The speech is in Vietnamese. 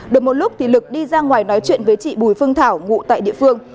được một lúc lực đi ra ngoài nói chuyện với chị bùi phương thảo ngụ tại địa phương